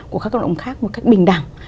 của các cộng đồng khác một cách bình đẳng